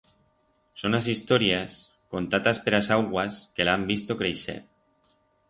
Son as historias contatas per as auguas que la han visto creixer.